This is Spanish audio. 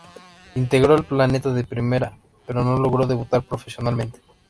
Integró el plantel de primera, pero no logró debutar profesionalmente.